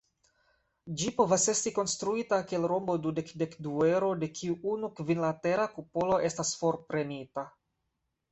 Ĝi povas esti konstruita kiel rombo-dudek-dekduedro de kiu unu kvinlatera kupolo estas forprenita.